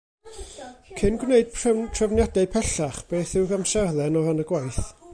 Cyn gwneud trefniadau pellach, beth yw'r amserlen o ran y gwaith